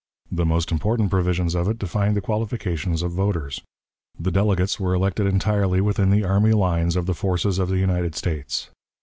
The most important provisions of it defined the qualifications of voters. The delegates were elected entirely within the army lines of the forces of the United States.